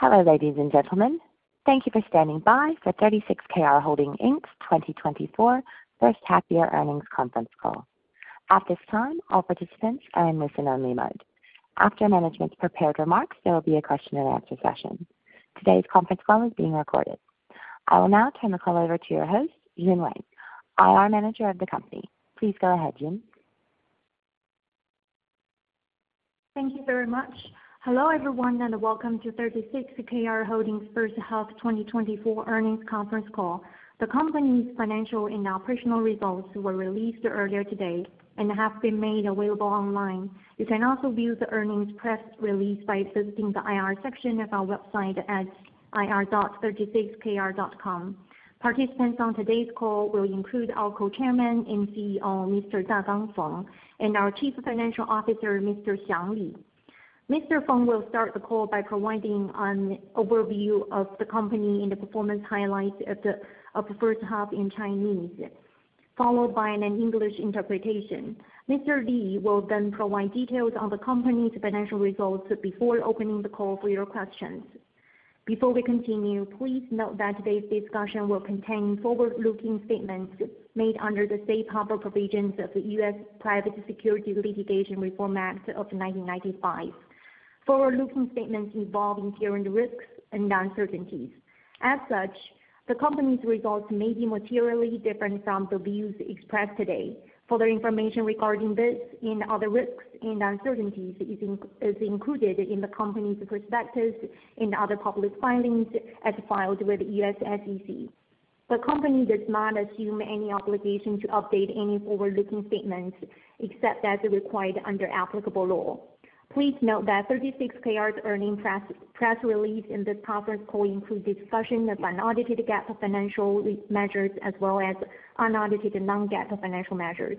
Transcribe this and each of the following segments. Hello, ladies and gentlemen. Thank you for standing by for 36Kr Holdings Inc.'s 2024 first half year earnings conference call. At this time, all participants are in listen-only mode. After management's prepared remarks, there will be a question-and-answer session. Today's conference call is being recorded. I will now turn the call over to your host, Yun Wang, IR Manager of the company. Please go ahead, Yun. Thank you very much. Hello, everyone, and welcome to 36Kr Holdings Inc.'s first half 2024 earnings conference call. The company's financial and operational results were released earlier today and have been made available online. You can also view the earnings press release by visiting the IR section of our website at ir.36kr.com. Participants on today's call will include our Co-chairman and CEO, Mr. Dagang Feng, and our Chief Financial Officer, Mr. Xiang Li. Mr. Feng will start the call by providing an overview of the company and the performance highlights of the first half in Chinese, followed by an English interpretation. Mr. Li will then provide details on the company's financial results before opening the call for your questions. Before we continue, please note that today's discussion will contain forward-looking statements made under the safe harbor provisions of the U.S. Private Securities Litigation Reform Act of 1995. Forward-looking statements involving inherent risks and uncertainties. As such, the company's results may be materially different from the views expressed today. Further information regarding this and other risks and uncertainties is included in the company's prospectus and other public filings as filed with the U.S. SEC. The company does not assume any obligation to update any forward-looking statements except as required under applicable law. Please note that 36Kr's earnings press release in this conference call include discussion of unaudited GAAP financial measures as well as unaudited non-GAAP financial measures.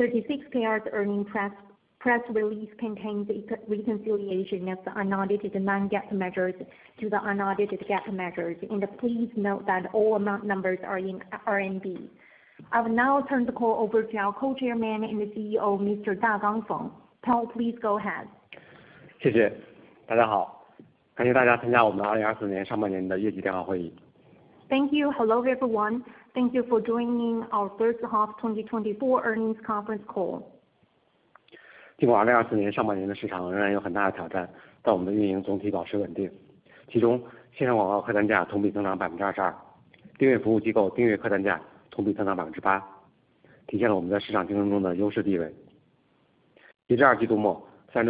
36Kr's earnings press release contains a reconciliation of the unaudited non-GAAP measures to the unaudited GAAP measures, and please note that all amount numbers are in RMB. I will now turn the call over to our Co-chairman and CEO, Mr. Dagang Feng. Feng, please go ahead. Thank you. Hello, everyone. Thank you for joining our first half 2024 earnings conference call. Despite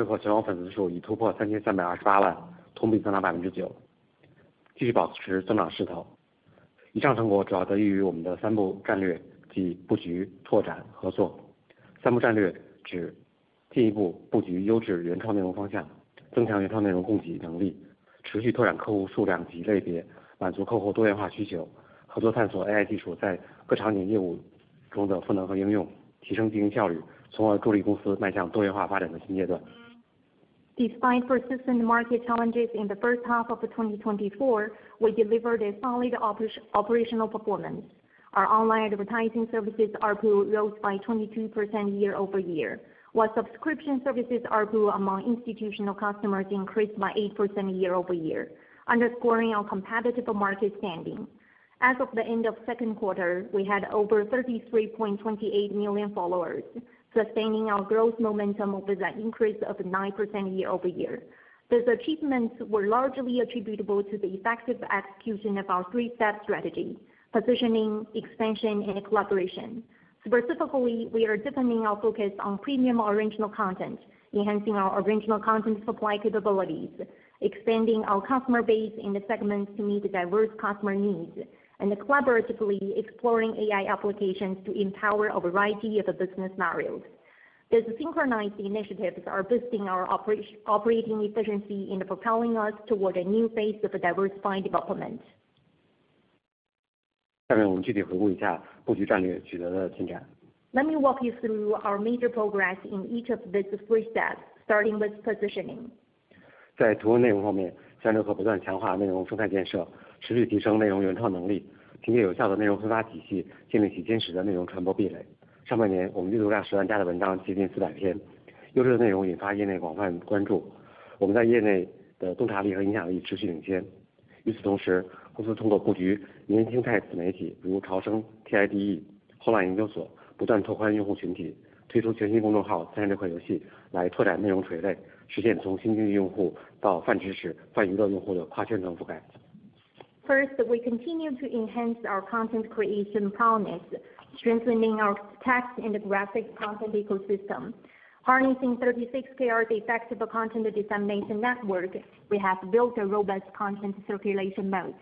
persistent market challenges in the first half of 2024, we delivered a solid operational performance. Our online advertising services ARPU rose by 22% year-over-year, while subscription services ARPU among institutional customers increased by 8% year-over-year, underscoring our competitive market standing. As of the end of Q2, we had over 33.28 million followers, sustaining our growth momentum with an increase of 9% year-over-year. These achievements were largely attributable to the effective execution of our three-step strategy: positioning, expansion, and collaboration. Specifically, we are deepening our focus on premium original content, enhancing our original content supply capabilities, expanding our customer base in the segments to meet the diverse customer needs, and collaboratively exploring AI applications to empower a variety of business scenarios. These synchronized initiatives are boosting our operating efficiency and propelling us toward a new phase of a diversified development. Let me walk you through our major progress in each of these three steps, starting with positioning. First, we continue to enhance our content creation prowess, strengthening our text and graphic content ecosystem. Harnessing 36Kr's effective content dissemination network, we have built a robust content circulation mode.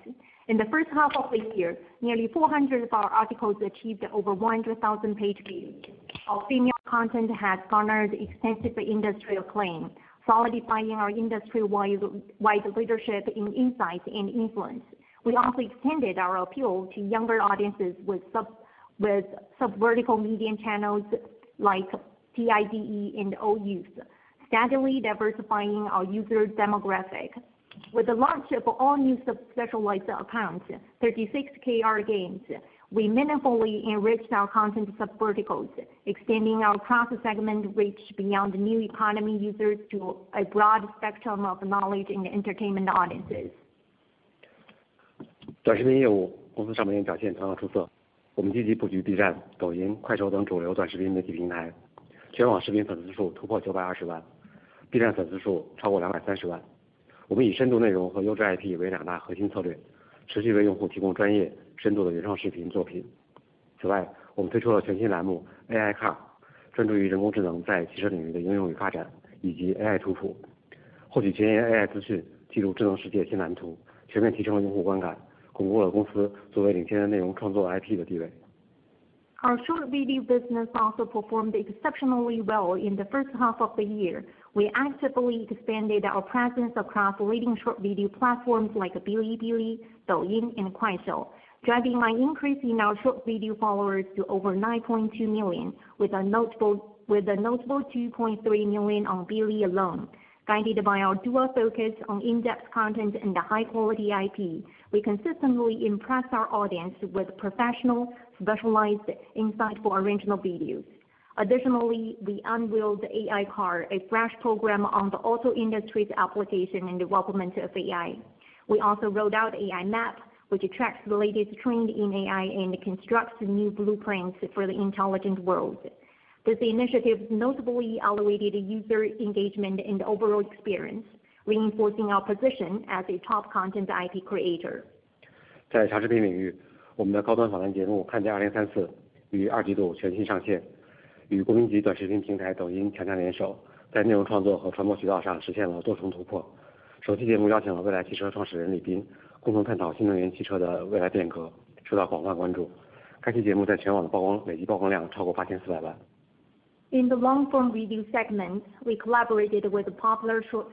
In the first half of the year, nearly 400 of our articles achieved over 100,000 page views. Our premium content has garnered extensive industry acclaim, solidifying our industry-wide, wide leadership in insight and influence. We also extended our appeal to younger audiences with subvertical media channels like TIDE and OU, steadily diversifying our user demographic. With the launch of all new subspecialized accounts, 36Kr Games, we meaningfully enriched our content subverticals, extending our cross-segment reach beyond the new economy users to a broad spectrum of knowledge and entertainment audiences. ... 短视频业务，公司上半年表现非常出色。我们积极布局B站、抖音、快手等主流短视频媒体平台，全网视频粉丝数突破九百二十万，B站粉丝数超过两百三十万。我们以深度内容和优质IP为两大核心策略，持续为用户提供专业、深度的原创视频作品。此外，我们推出了全新栏目AI Car，专注于人工智能在汽车领域的应用与发展，以及AI图谱，获取前沿AI资讯，记录智能世界新蓝图，全面提升了用户观感，巩固了公司作为领先的内容创作IP的地位。Our short video business also performed exceptionally well in the first half of the year. We actively expanded our presence across leading short video platforms like Bilibili, Douyin, and Kuaishou, driving an increase in our short video followers to over 9.2 million, with a notable 2.3 million on Bili alone. Guided by our dual focus on in-depth content and the high-quality IP, we consistently impress our audience with professional, specialized insight for original videos. Additionally, we unveiled AI Car, a fresh program on the auto industry's application and development of AI. We also rolled out AI Map, which attracts the latest trend in AI and constructs new blueprints for the intelligent world. This initiative notably elevated user engagement and overall experience, reinforcing our position as a top content IP creator. 在长视频领域，我们的高端访谈节目看见2034于二季度全新上线，与国民级短视频平台抖音强强联手，在内容创作和传播渠道上实现了多重突破。首期节目邀请了蔚来汽车创始人李斌，共同探讨新能源汽车的未来变革，受到广泛关注。该期节目在全网的曝光，累计曝光量超过8400万。In the long form video segment, we collaborated with the popular short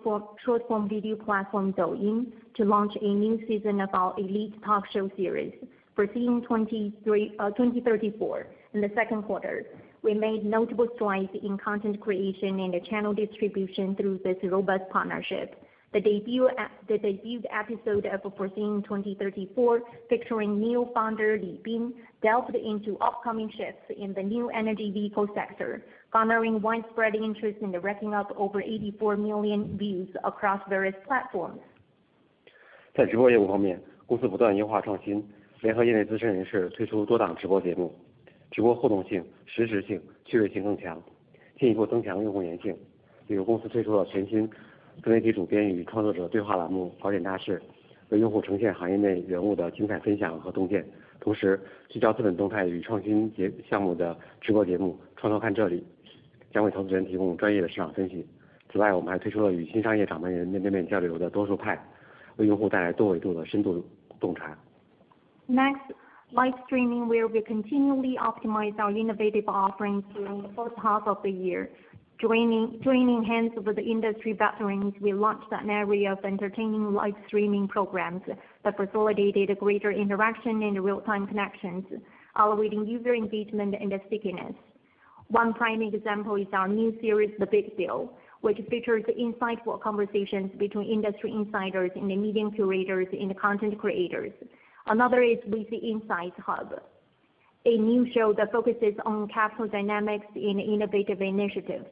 form video platform Douyin to launch a new season of our elite talk show series, Foreseeing 2034. In the Q2, we made notable strides in content creation and the channel distribution through this robust partnership. The debut episode of Foreseeing 2034, featuring NIO founder Li Bin, delved into upcoming shifts in the new energy vehicle sector, garnering widespread interest and racking up over eighty-four million views across various platforms. 在直播业务方面，公司不断优化创新，联合业内资深人士推出多档直播节目，直播互动性、实时性、趣味性更强，进一步增强用户粘性。比如公司推出了全新专题主编与创作者对话栏目，朝鲜大事，为用户呈现行业内人物的精彩分享和洞见。同时，聚焦资本动态与创新项目的直播节目，创投看这里，将为投资人提供专业的市场分析。此外，我们也推出了与新商业掌门人面对面交流的多数派，为用户带来多维度的深度洞察。Next, live streaming, where we continually optimize our innovative offerings during the first half of the year. Joining hands with the industry veterans, we launched an array of entertaining live streaming programs that facilitated greater interaction and real-time connections, elevating user engagement and stickiness. One prime example is our new series, The Big Deal, which features insightful conversations between industry insiders and the media curators and content creators. Another is Insight Hub, a new show that focuses on capital dynamics and innovative initiatives,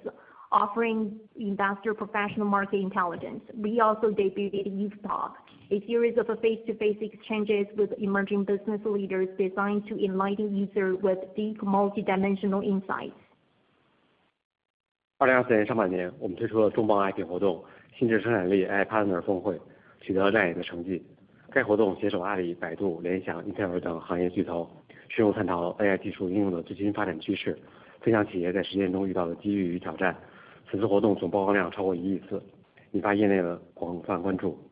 offering investors professional market intelligence. We also debuted Youth Talk, a series of face-to-face exchanges with emerging business leaders designed to enlighten users with deep, multi-dimensional insights. 2024年上半年，我们推出了重磅IP活动，新质生产力AI Partner峰会，取得了亮眼的成绩。该活动携手阿里、百度、联想、Intel等行业巨头，深入探讨AI技术应用的最新的发展趋势，分享企业在实践中遇到的机遇与挑战。此次活动总曝光量超过一亿次，引发业内的广泛关注。2024年6月，我们备受期待的重磅IP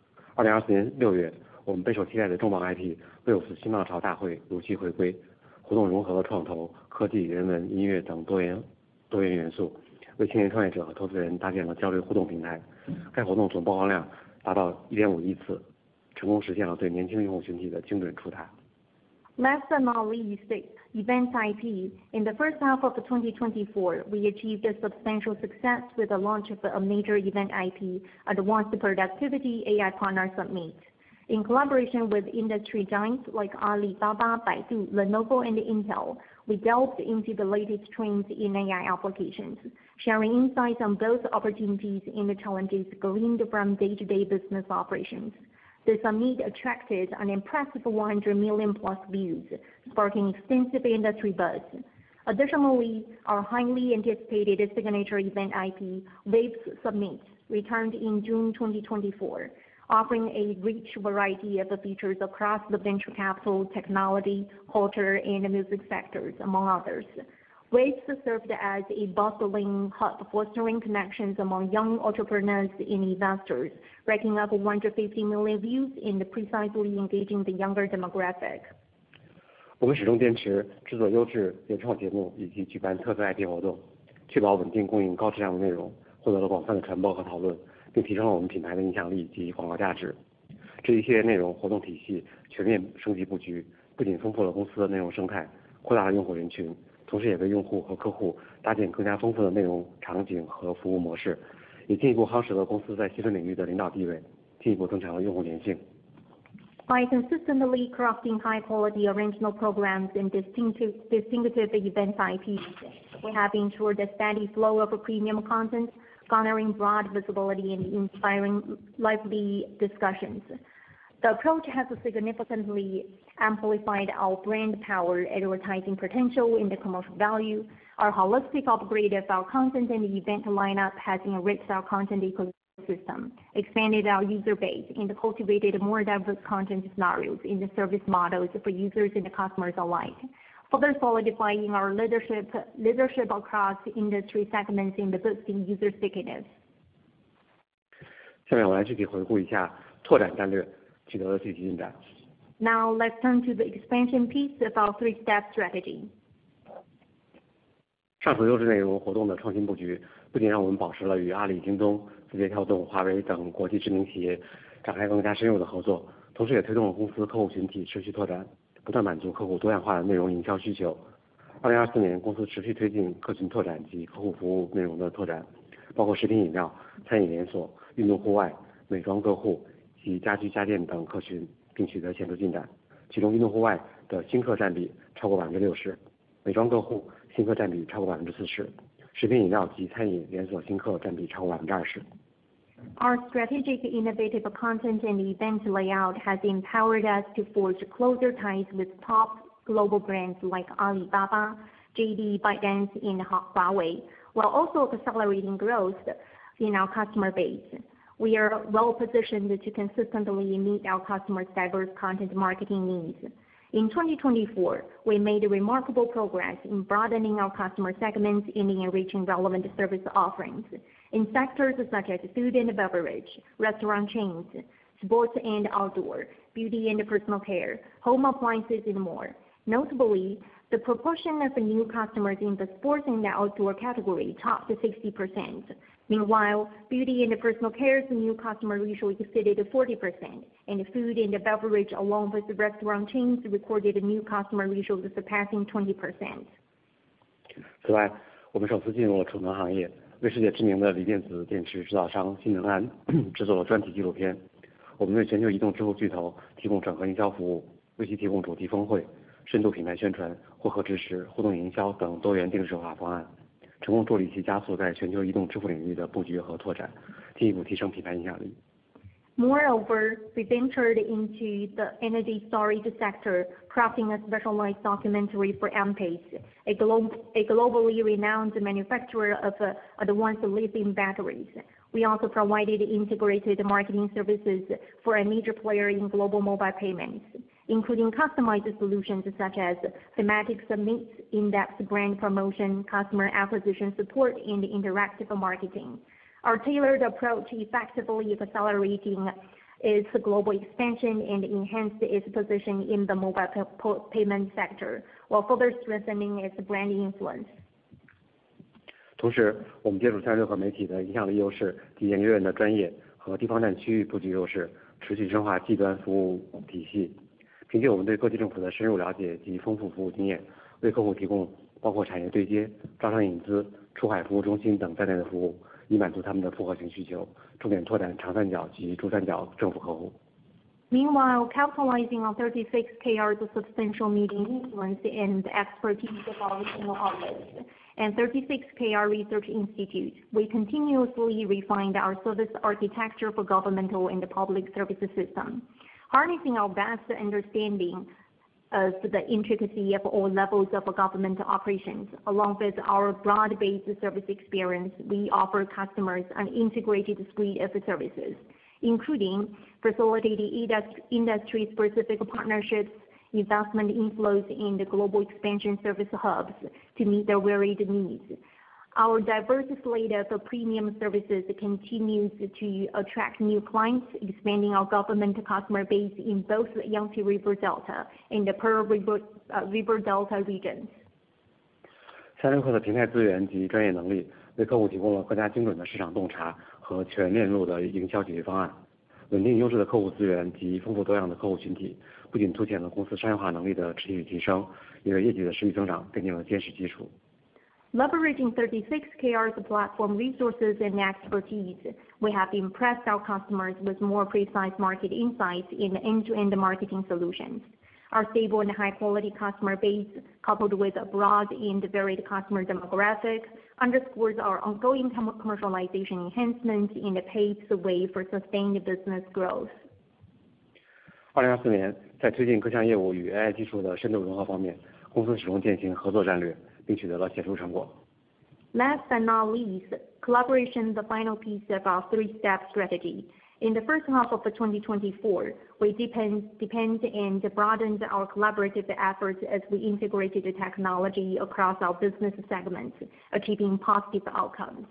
Last but not least, events IP. In the first half of 2024, we achieved a substantial success with the launch of a major event IP, the New Quality Productivity AI Partner Summit. In collaboration with industry giants like Alibaba, Baidu, Lenovo, and Intel, we delved into the latest trends in AI applications, sharing insights on both opportunities and the challenges gleaned from day-to-day business operations. The summit attracted an impressive 100 million-plus views, sparking extensive industry buzz. Additionally, our highly anticipated signature event IP, Waves Summit, returned in June 2024, offering a rich variety of features across the venture capital, technology, culture, and music sectors, among others. Waves served as a bustling hub, fostering connections among young entrepreneurs and investors, racking up 150 million views in precisely engaging the younger demographic. 我们始终坚持制作优质原创节目，以及举办特色IP活动，确保稳定供应高质量的内容，获得了广泛的传播和讨论，并提升了我们品牌的影响力及广告价值。这些内容活动体系全面升级布局，不仅丰富了公司的内容生态，扩大了用户人群，同时也为用户和客户搭建更加丰富的内容场景和服务模式，以进一步夯实了公司在新领域的领导地位，进一步增强用户粘性。By consistently crafting high quality original programs and distinctive event IP. We have ensured a steady flow of premium content, garnering broad visibility and inspiring lively discussions. The approach has significantly amplified our brand power, advertising potential, and the commercial value. Our holistic upgrade of our content and event lineup has enriched our content ecosystem, expanded our user base, and cultivated more diverse content scenarios in the service models for users and the customers alike, further solidifying our leadership across industry segments and boosting user stickiness. 现在我来具体回顾一下扩展战略取得的最新的进展。Now let's turn to the expansion piece of our three-step strategy. 上图就是内容活动的创新布局，不仅让我们保持了与阿里、京东、字节跳动、华为等国际知名企业开展更加深入的合作，同时也推动了公司客户群体持续拓展，不断满足客户多样化的内容营销需求。2024年，公司持续推进客群拓展及客户服务内容的拓展，包括食品饮料、餐饮连锁、运动户外、美妆个护及家居家电等客群，并取得显著进展。其中，运动户外的新客占比超过60%，美妆个护新客占比超过40%，食品饮料及餐饮连锁新客占比超过20%。Our strategic innovative content and event layout has empowered us to forge closer ties with top global brands like Alibaba, JD, ByteDance, and Huawei, while also accelerating growth in our customer base. We are well positioned to consistently meet our customers' diverse content marketing needs. In 2024, we made a remarkable progress in broadening our customer segments and enriching relevant service offerings in sectors such as food and beverage, restaurant chains, sports and outdoor, beauty and personal care, home appliances, and more. Notably, the proportion of new customers in the sports and outdoor category topped 60%. Meanwhile, beauty and personal care's new customer ratio exceeded 40%, and food and beverage, along with restaurant chains, recorded a new customer ratio surpassing 20%. 此外，我们首次进入储能行业，为世界知名的锂离子电池制造商新能安制作了专题纪录片。我们为全球移动支付巨头提供整合营销服务，为其提供主题峰会、深度品牌宣传、混合支持、互动营销等多元定制化方案，成功助力其加速在全球移动支付领域的布局和拓展，进一步提升品牌影响力。Moreover, we ventured into the energy storage sector, crafting a specialized documentary for Ampace, a globally renowned manufacturer of lithium-ion batteries. We also provided integrated marketing services for a major player in global mobile payments, including customized solutions such as thematic summits, in-depth brand promotion, customer acquisition support, and interactive marketing. Our tailored approach effectively accelerating its global expansion and enhanced its position in the mobile payment sector, while further strengthening its brand influence. 同时，我们借助36氪媒体的影响力优势，及研究员的专业和地方站区域布局优势，持续深化政企服务体系。凭借我们对各地政府的深入了解及丰富服务经验，为客户提供包括产业对接、招商引资、出海服务中心等在内的服务，以满足他们的复合型需求，重点拓展长三角及珠三角政府客户。Meanwhile, capitalizing on 36Kr's substantial media influence and expertise development on our own, and 36Kr Research Institute, we continuously refined our service architecture for governmental and the public services system. Harnessing our vast understanding of the intricacy of all levels of government operations. Along with our broad-based service experience, we offer customers an integrated suite of services, including facilitating industry-specific partnerships, investment inflows in the global expansion service hubs to meet their varied needs. Our diverse slate of premium services continues to attract new clients, expanding our governmental customer base in both the Yangtze River Delta and the Pearl River Delta regions. 36Kr Platform资源及专业能力，为客户提供了更加精准的市场洞察和全链路的营销解决方案，稳定优质的客户资源及丰富多样的客户群体，不仅凸显了公司商业化能力的持续提升，也为业绩的持续增长奠定了坚实基础。Leveraging 36Kr's platform resources and expertise, we have impressed our customers with more precise market insights in end-to-end marketing solutions. Our stable and high-quality customer base, coupled with a broad and varied customer demographic, underscores our ongoing commercialization enhancements and paves the way for sustained business growth. 2024年，在推进各项业务与AI技术的深度融合方面，公司始终践行合作战略，并取得了显著成果。Last but not least, collaboration, the final piece of our three-step strategy. In the first half of 2024, we deepened and broadened our collaborative efforts as we integrated the technology across our business segments, achieving positive outcomes.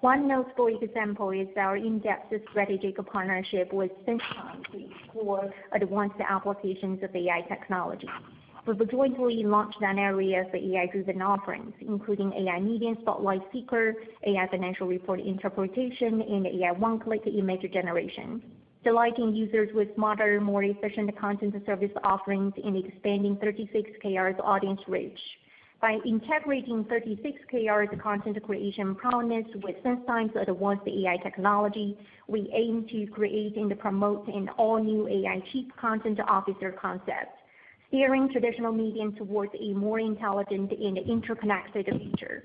One noteworthy example is our in-depth strategic partnership with SenseTime, for advanced applications of AI technology. We've jointly launched an area for AI-driven offerings, including AI medium Spotlight Seeker, AI financial report interpretation, and AI one-click image generation, delighting users with modern, more efficient content service offerings and expanding 36Kr's audience reach. By integrating 36Kr's content creation prominence with SenseTime's advanced AI technology, we aim to create and promote an all-new AI chief content officer concept, steering traditional media towards a more intelligent and interconnected future.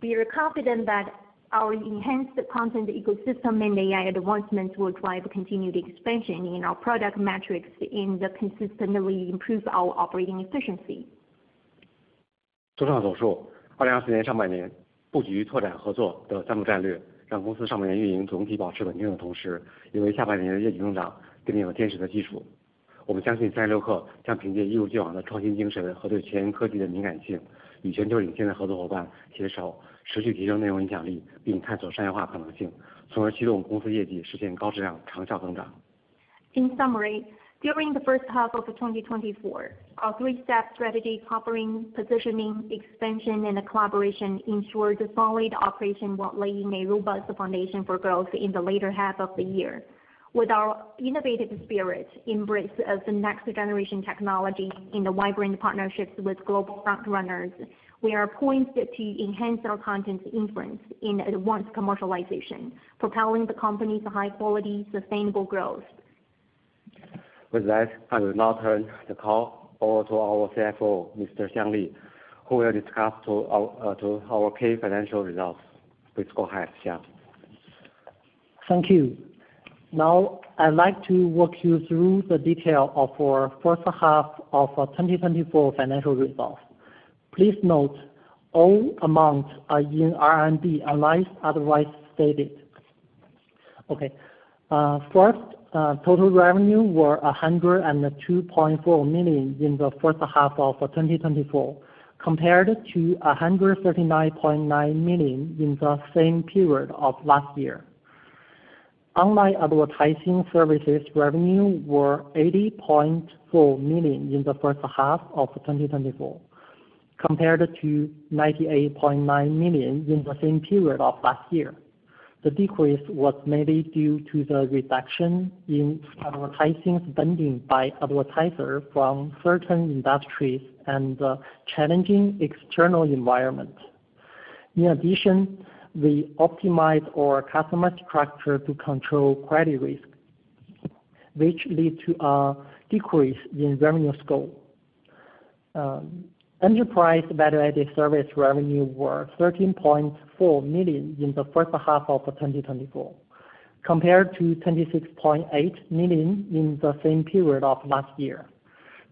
We are confident that our enhanced content ecosystem and AI advancements will drive continued expansion in our product metrics and consistently improve our operating efficiency. In summary, during the first half of 2024, our three-step strategy covering positioning, expansion, and collaboration ensured solid operation while laying a robust foundation for growth in the later half of the year. With our innovative spirit, embrace of the next generation technology, and the vibrant partnerships with global front runners, we are poised to enhance our content influence and advance commercialization, propelling the company to high quality, sustainable growth. With that, I will now turn the call over to our CFO, Mr. Xiang Li, who will discuss to our key financial results. Please go ahead, Xiang. Thank you. Now, I'd like to walk you through the detail of our first half of 2024 financial results. Please note, all amounts are in RMB, unless otherwise stated. Okay. First, total revenue were 102.4 million in the first half of 2024, compared to 139.9 million in the same period of last year. Online advertising services revenue were 80.4 million in the first half of 2024, compared to 98.9 million in the same period of last year. The decrease was mainly due to the reduction in advertising spending by advertisers from certain industries and the challenging external environment. In addition, we optimized our customer structure to control credit risk, which lead to a decrease in revenue scope. Enterprise value-added service revenue were 13.4 million in the first half of 2024, compared to 26.8 million in the same period of last year.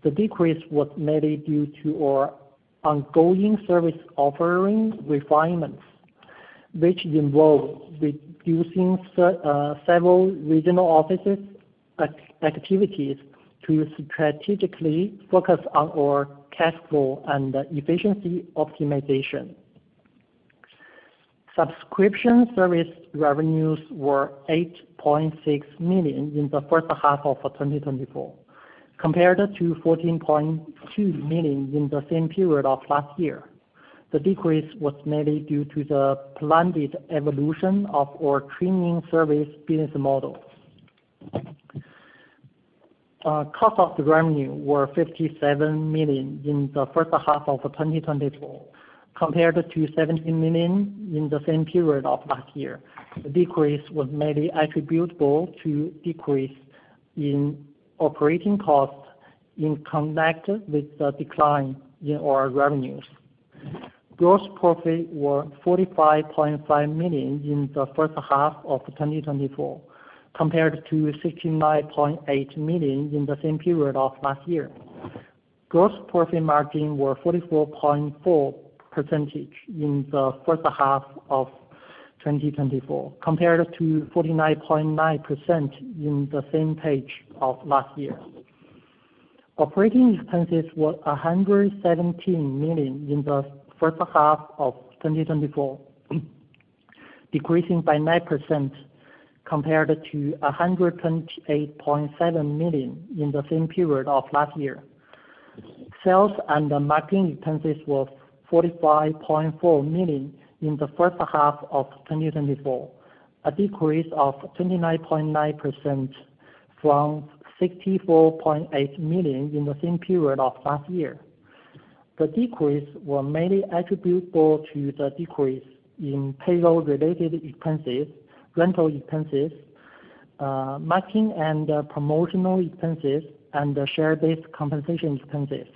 The decrease was mainly due to our ongoing service offering refinements, which involved reducing several regional offices activities to strategically focus on our cash flow and efficiency optimization. Subscription service revenues were 8.6 million in the first half of 2024, compared to 14.2 million in the same period of last year. The decrease was mainly due to the planned evolution of our training service business model. Cost of the revenue were 57 million in the first half of 2024, compared to 17 million in the same period of last year. The decrease was mainly attributable to decrease in operating costs in connection with the decline in our revenues. Gross profit was 45.5 million in the first half of 2024, compared to 69.8 million in the same period of last year. Gross profit margin was 44.4% in the first half of 2024, compared to 49.9% in the same period of last year. Operating expenses were 117 million in the first half of 2024, decreasing by 9% compared to 128.7 million in the same period of last year. Sales and marketing expenses were 45.4 million in the first half of 2024, a decrease of 29.9% from 64.8 million in the same period of last year. The decrease was mainly attributable to the decrease in payroll-related expenses, rental expenses, marketing and promotional expenses, and the share-based compensation expenses.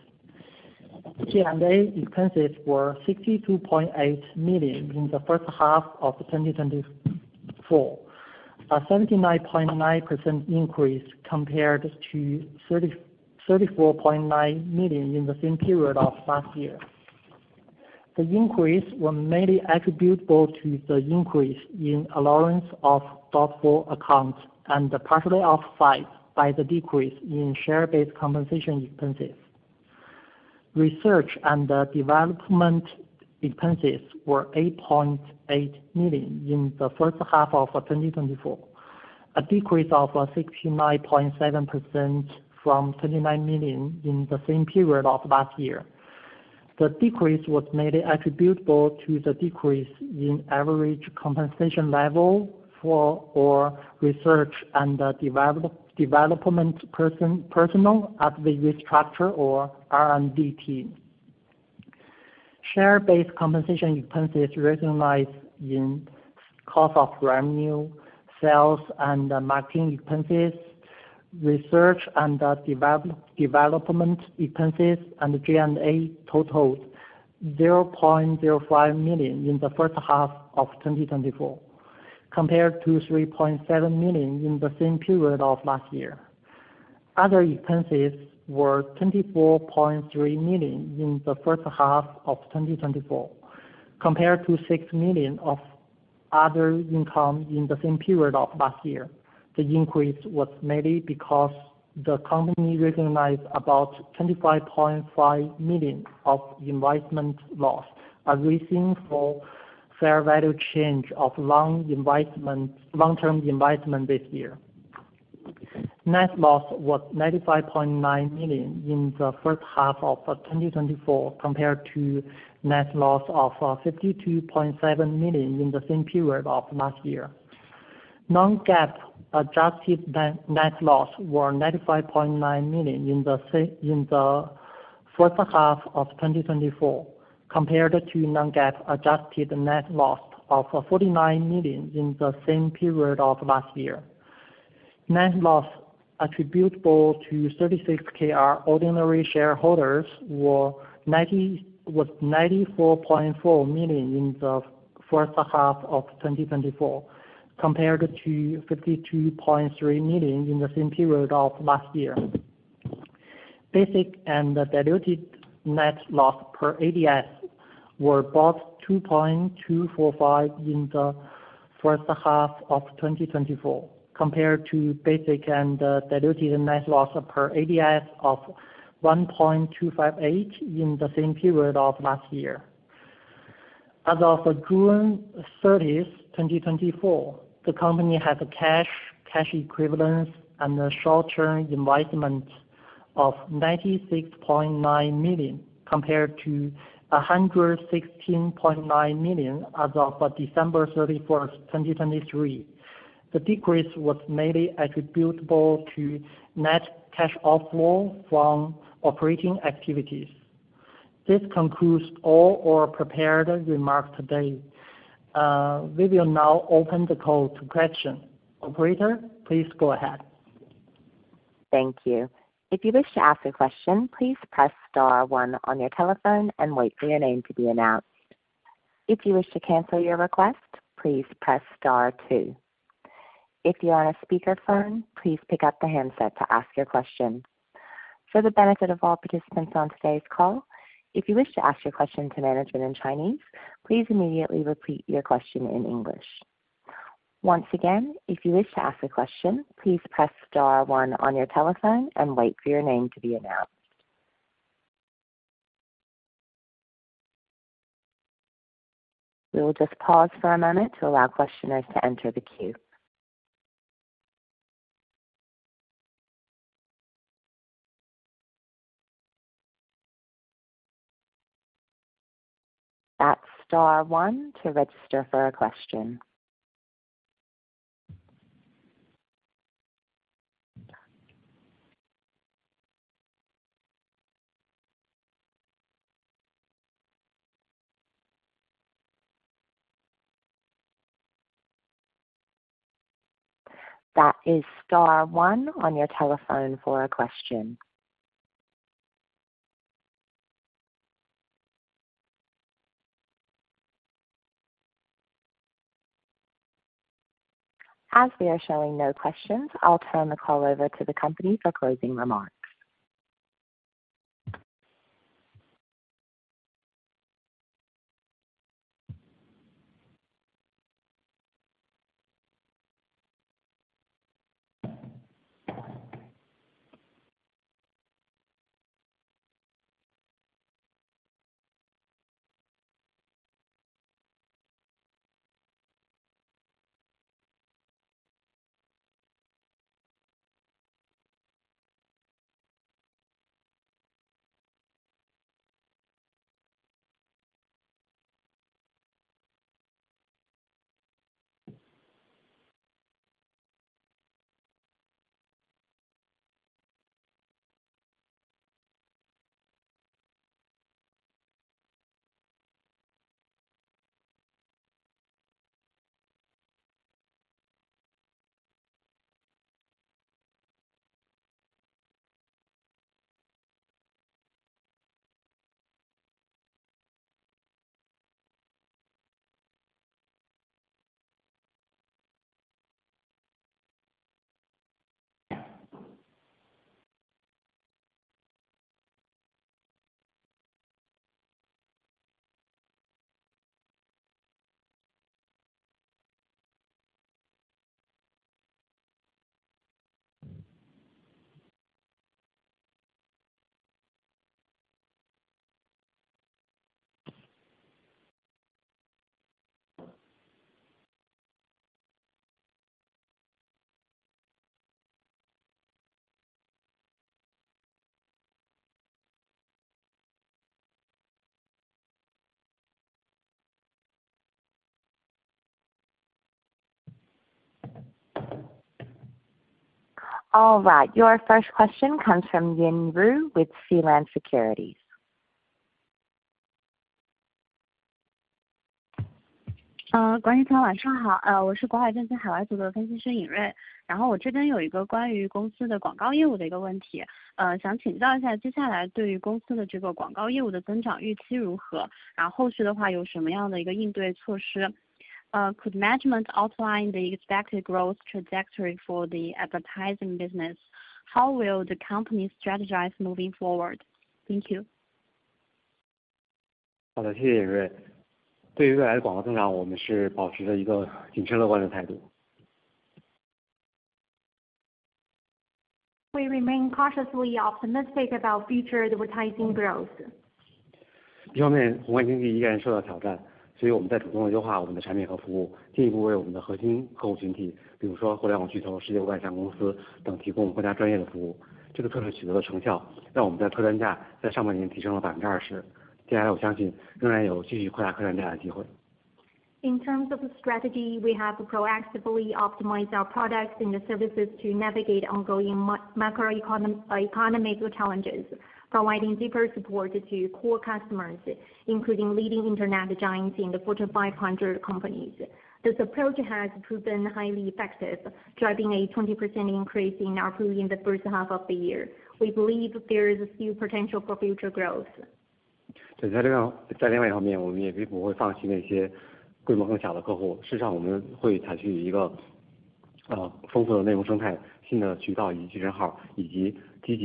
G&A expenses were 62.8 million in the first half of 2024, a 79.9% increase compared to 34.9 million in the same period of last year. The increase were mainly attributable to the increase in allowance of doubtful accounts, and partially offset by the decrease in share-based compensation expenses. Research and development expenses were 8.8 million in the first half of 2024, a decrease of 69.7% from 29 million in the same period of last year. The decrease was mainly attributable to the decrease in average compensation level for our research and development personnel at the restructured R&D team. Share-based compensation expenses recognized in cost of revenue, sales and marketing expenses, research and development, development expenses, and G&A totaled 0.05 million in the first half of 2024, compared to 3.7 million in the same period of last year. Other expenses were 24.3 million in the first half of 2024, compared to 6 million of other income in the same period of last year. The increase was mainly because the company recognized about 25.5 million of investment loss, arising from fair value change of long-term investment this year. Net loss was 95.9 million in the first half of 2024, compared to net loss of 52.7 million in the same period of last year. Non-GAAP adjusted net loss were 95.9 million in the first half of 2024, compared to non-GAAP adjusted net loss of 49 million in the same period of last year. Net loss attributable to 36Kr ordinary shareholders was 94.4 million in the first half of 2024, compared to 52.3 million in the same period of last year. Basic and diluted net loss per ADS were both 2.245 in the first half of 2024, compared to basic and diluted net loss per ADS of 1.258 in the same period of last year. As of June 30, 2024, the company has cash, cash equivalents, and short-term investments of 96.9 million, compared to 116.9 million as of December 31, 2023. The decrease was mainly attributable to net cash outflow from operating activities. This concludes all our prepared remarks today. We will now open the call to questions. Operator, please go ahead. Thank you. If you wish to ask a question, please Press* one on your telephone and wait for your name to be announced. If you wish to cancel your request, please Press* two. If you are on a speakerphone, please pick up the handset to ask your question. For the benefit of all participants on today's call, if you wish to ask your question to management in Chinese, please immediately repeat your question in English. Once again, if you wish to ask a question, please Press* one on your telephone and wait for your name to be announced. We will just pause for a moment to allow questioners to enter the queue. That's star one to register for a question. That is star one on your telephone for a question. As we are showing no questions, I'll turn the call over to the company for closing remarks. All right. Your first question comes from Yin Ru with Sealand Securities. Good evening, management. I am Yin Rui, analyst from the overseas group of Sealand Securities. I have a question about the company's advertising business. Could you please advise? What is the expected growth for the company's advertising business going forward? Then, subsequently, what kind of countermeasures will there be? Could management outline the expected growth trajectory for the advertising business? How will the company strategize moving forward? Thank you. 好的，谢谢尹锐。对于未来的广告增长，我们是保持着一个谨慎乐观的态度。We remain cautiously optimistic about future advertising growth. 一方面，宏观经济仍然受到挑战，所以我们在主动地优化我们的产品和服务，进一步为我们的核心客户群体，比如说互联网巨头、世界五百强公司等提供更加专业的服务。这个策略取得了成效，让我们的客单价在上半年提升了20%。接下来我相信仍然有继续扩大客单价的机会。In terms of the strategy, we have to proactively optimize our products and the services to navigate ongoing macroeconomic challenges, providing deeper support to core customers, including leading Internet giants in the Fortune 500 companies. This approach has proven highly effective, driving a 20% increase in our revenue in the first half of the year. We believe there is still potential for future growth. 在这一点，在另一方面，我们也不会放弃那些规模更小的客户。事实上，我们会采取一个，丰富的的内容生态、新的渠道以及人号，以及积极地深化AIGC技术与内容的深度结合，用这种方法来推出更多的由AI所驱动的产品，这样就可以达到一个效果，就是使那些过去由于我们自己的带宽和人力而无法触达的这种大量的所谓的长尾型的公司和企业，也可以成为我们的客户，享受这样的服务。We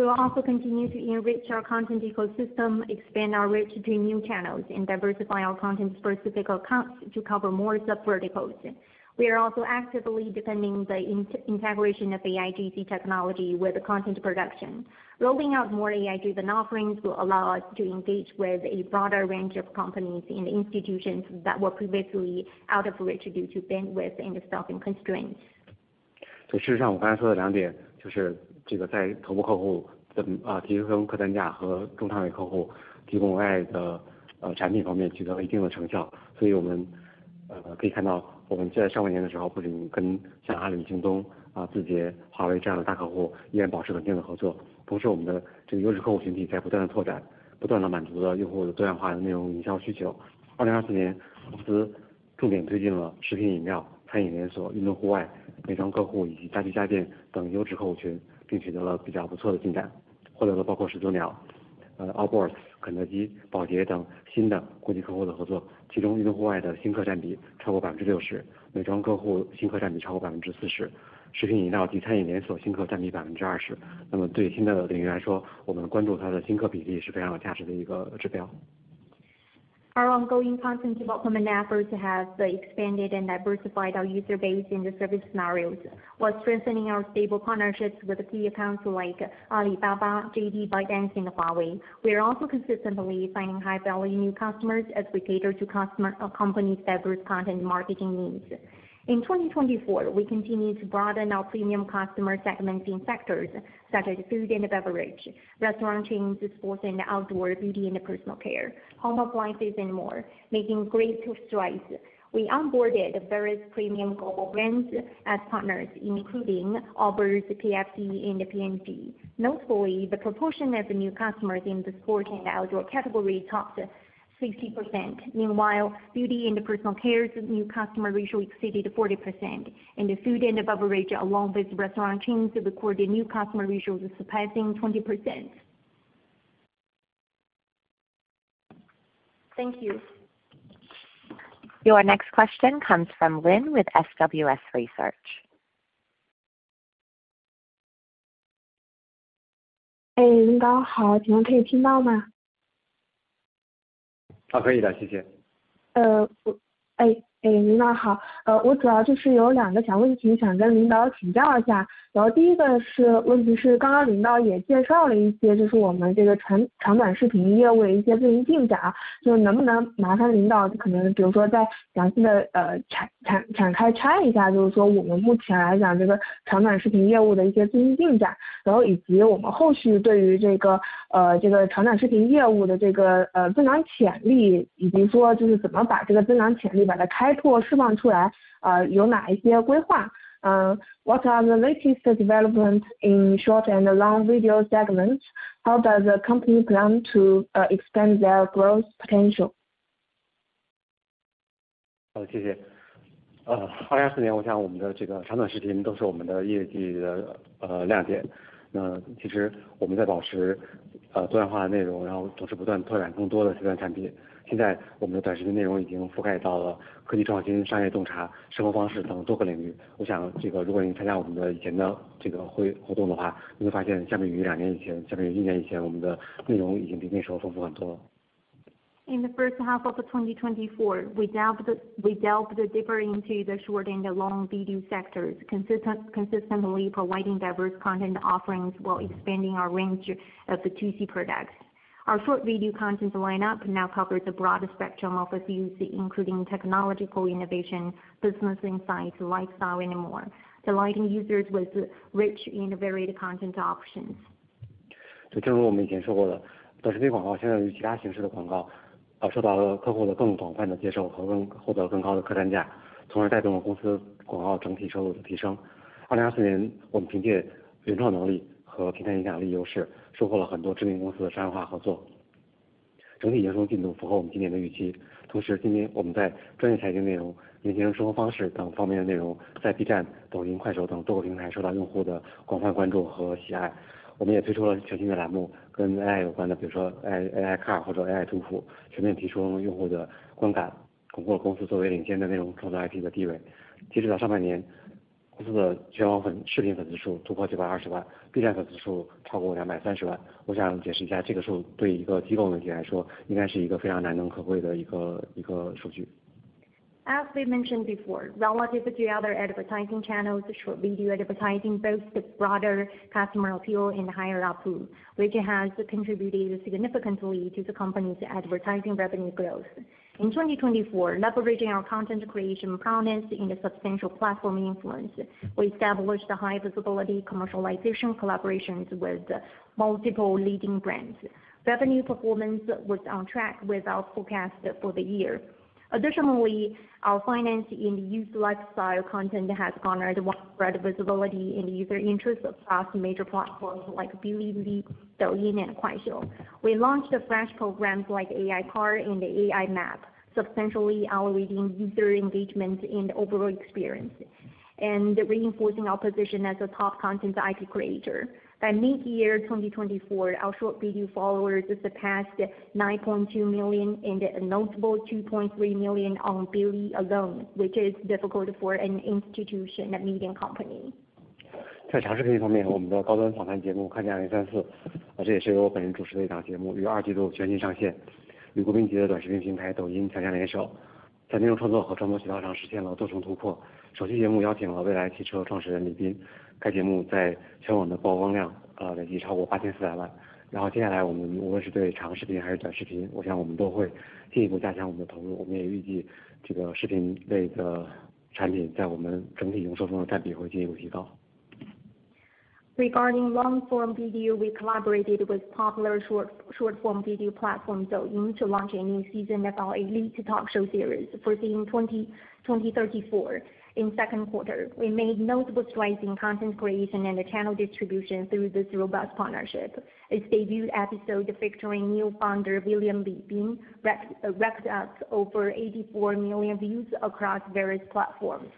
will also continue to enrich our content ecosystem, expand our reach to new channels, and diversify our content-specific accounts to cover more sub-verticals. We are also actively deepening the integration of AIGC technology with content production. Rolling out more AIGC offerings will allow us to engage with a broader range of companies and institutions that were previously out of reach due to bandwidth and staffing constraints. 所以事实上我刚才说的两点，就是这个在头部客户的，提升客单价和中长尾客户提供AI的产品方面取得了一定的成效。所以我们可以，看得到，我们在上半年的时候，不仅跟像阿里、京东、字节、华为这样的客户依然保持稳定的合作，同时我们的这个优质客户群体在不断地拓展，不断地满足了用户的多样化的内容营销需求。2024年，公司重点推进了食品饮料、餐饮连锁、运动户外、美妆客户以及家居家电等优质客户群，并取得了比较不错的进展，获得了包括石榴鸟、Uber Eats、肯德基、宝洁等新的优质客户合作，其中运动户外的新客占比超过60%，美妆客户新客占比超过40%，食品饮料及餐饮连锁新客占比20%。那么对新的领域来说，我们关注它的"新客"比例是非常有价值的一个指标。Our ongoing content development efforts have expanded and diversified our user base in the service scenarios, while strengthening our stable partnerships with key accounts like Alibaba, JD, ByteDance, and Huawei. We are also consistently finding high-value new customers as we cater to customer-companies' diverse content marketing needs. In 2024, we continue to broaden our premium customer segment in sectors such as food and beverage, restaurant chains, sports and outdoor, beauty and personal care, home appliances and more. Making great strides. We onboarded various premium global brands as partners, including Uber, KFC, and P&G. Notably, the proportion of new customers in the sports and outdoor category topped 60%. Meanwhile, beauty and personal care's new customer ratio exceeded 40%, and food and beverage, along with restaurant chains, recorded new customer ratios surpassing 20%. Thank you. Your next question comes from Lin with SWS Research. 哎，领导好，请问可以听到吗？ 啊，可以的，谢谢。领导好。我主要就是有两个小问题想跟领导请教一下，然后第一个问题是刚刚领导也介绍了一些，就是我们这个长短视频业务的一些经营进展，就是能不能麻烦领导可能比如说再详细地展开拆一下，就是说我们目前来讲这个长短视频业务的一些经营进展，然后以及我们后续对于这个长短视频业务的增长潜力，以及说就是怎么把这个增长潜力把它开拓释放出来，有哪些规划。What are the latest development in short and long video segments? How does the company plan to expand their growth potential? 好，谢谢。2024年，我想我们的这个长短视频都是我们业绩的，亮点。其实我们在保持...... 多元化的内容，然后总是不断扩展更多的视频产品。现在我们的短视频内容已经覆盖到了科技创新、商业洞察、生活方式等多个领域。我想这个如果你参加我们以前的这个活动的话，你会发现相比于两年前，相比于一年前，我们的内容已经比那时候丰富很多。In the first half of 2024, we delved deeper into the short and long video sectors, consistently providing diverse content offerings while expanding our range of the 2C products. Our short video content lineup now covers a broader spectrum of views, including technological innovation, business insights, lifestyle, and more, providing users with rich and varied content options. As we mentioned before, relative to the other advertising channels, short video advertising boasts a broader customer appeal and higher ARPU, which has contributed significantly to the company's advertising revenue growth. In 2024, leveraging our content creation prominence in the substantial platform influence, we established a high visibility commercialization collaborations with multiple leading brands. Revenue performance was on track with our forecast for the year. Additionally, our finance and youth lifestyle content has garnered widespread visibility and user interest across major platforms like Bilibili, Douyin, and Kuaishou. We launched a fresh programs like AI Car and the AI Map, substantially elevating user engagement and overall experience, and reinforcing our position as a top content IP creator. By mid-year 2024, our short video followers surpassed 9.2 million and a notable 2.3 million on Bili alone, which is difficult for an institution, a medium company. Regarding long form video, we collaborated with popular short form video platform Douyin to launch a new season of our elite talk show series, Foreseeing 2034. In Q2, we made notable strides in content creation and the channel distribution through this robust partnership. Its debut episode featuring NIO founder William Li Bin racked up over 84 million views across various platforms.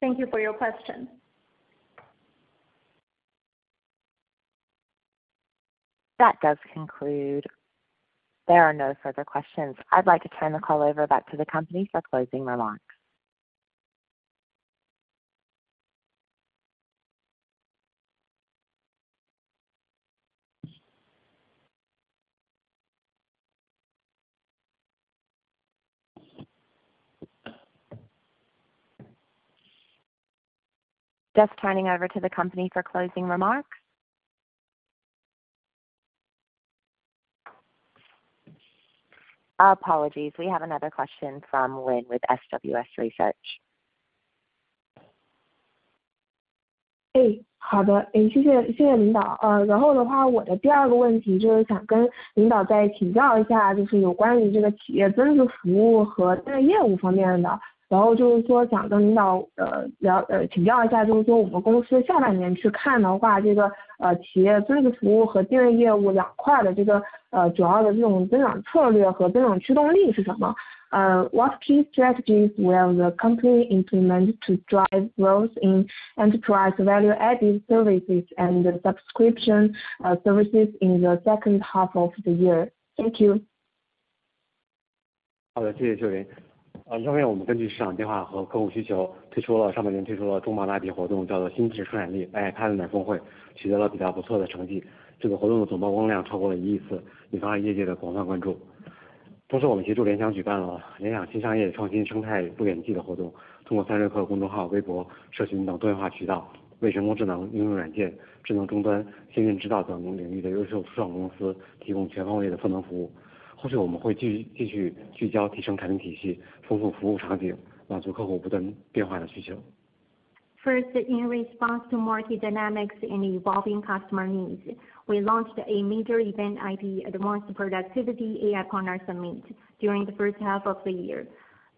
Thank you for your question. That does conclude... There are no further questions. I'd like to turn the call over back to the company for closing remarks. Just turning over to the company for closing remarks. Apologies. We have another question from Lin with SWS Research. What key strategies will the company implement to drive growth in enterprise value-added services and subscription services in the second half of the year? Thank you。好的，谢谢秀玲。因为我们根据市场变化和客户需求，推出了上半年中盘大笔活动，叫做新质生产力 AI 合作伙伴峰会，取得了比较不错的成绩，这个活动的总曝光量超过了一亿次，引发了业界的广泛关注。同时，我们协助联想举办了联想新商业创新生态不言季的活动，通过36氪公众号、微博、社群等多元化渠道，为人工智能应用软件、智能终端、新智能等领域的优秀初创公司提供全方位的赋能服务。后续我们会继续聚焦提升产品体系，丰富服务场景，满足客户不断变化的需求。First, in response to market dynamics and evolving customer needs, we launched a major event, New Quality Productivity AI Partner Summit, during the first half of the year.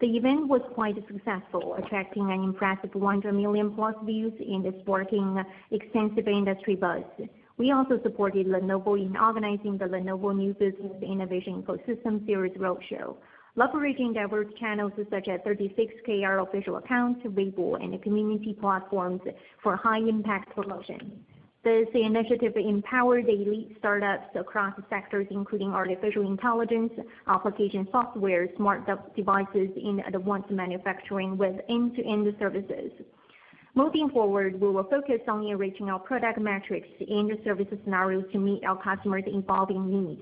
The event was quite successful, attracting an impressive 100 million-plus views and sparking extensive industry buzz. We also supported Lenovo in organizing the Lenovo New Business Innovation Ecosystem Series Roadshow, leveraging diverse channels such as 36 key official accounts, Weibo, and community platforms for high impact promotion. This initiative empowered elite startups across sectors including artificial intelligence, application software, smart devices in the advanced manufacturing with end-to-end services. Moving forward, we will focus on enriching our product metrics and service scenarios to meet our customers' evolving needs.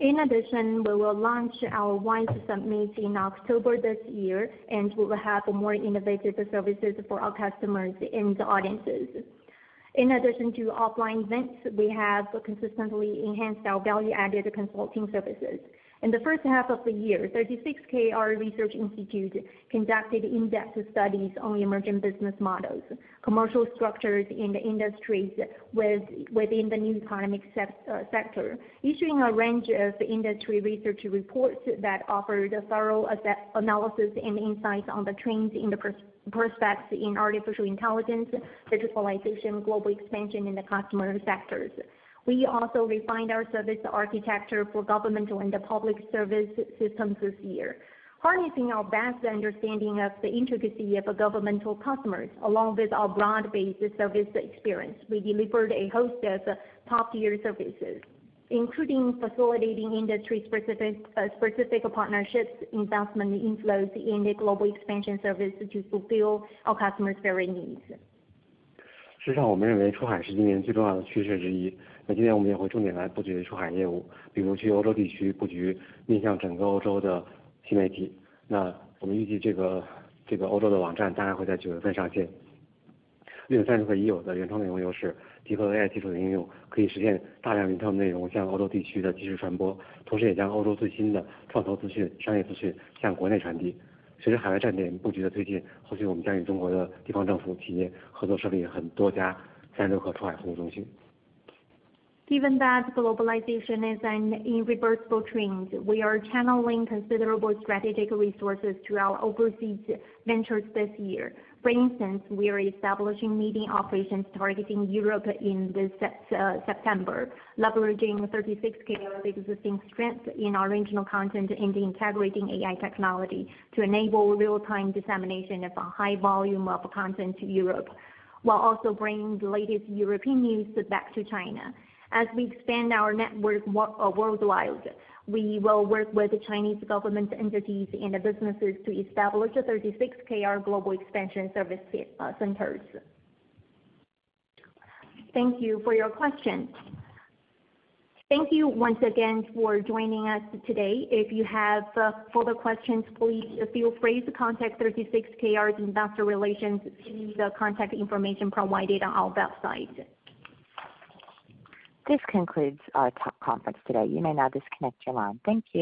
In addition, we will launch our Waves Summit in October this year, and we will have more innovative services for our customers and audiences. In addition to offline events, we have consistently enhanced our value-added consulting services. In the first half of the year, 36Kr Research Institute conducted in-depth studies on emerging business models, commercial structures in the industries within the new economic sector, issuing a range of industry research reports that offered a thorough analysis and insights on the trends in the prospects in artificial intelligence, digitalization, global expansion in the customer sectors. We also refined our service architecture for governmental and the public service systems this year. Harnessing our vast understanding of the intricacy of governmental customers, along with our broad-based service experience, we delivered a host of top-tier services, including facilitating industry specific partnerships, investment inflows in the global expansion service to fulfill our customers' varied needs. Given that globalization is an irreversible trend, we are channeling considerable strategic resources to our overseas ventures this year. For instance, we are establishing media operations targeting Europe in this September, leveraging 36Kr existing strength in original content and integrating AI technology to enable real-time dissemination of a high volume of content to Europe, while also bringing the latest European news back to China. As we expand our network worldwide, we will work with the Chinese government entities and the businesses to establish a 36Kr global expansion service centers. Thank you for your question. Thank you once again for joining us today. If you have further questions, please feel free to contact 36Kr's Investor Relations using the contact information provided on our website. This concludes our conference today. You may now disconnect your line. Thank you.